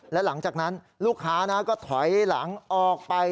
และหลังจากนั้นลูกค้าก็ถอยหลังออกไป